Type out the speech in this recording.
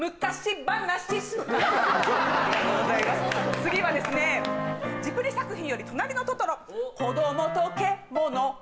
次はですねジブリ作品より「となりのトトロ」